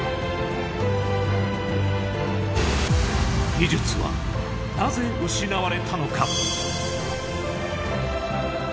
技術はなぜ失われたのか。